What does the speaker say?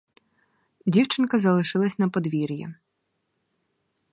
Дівчинка залишилась на подвір'ї.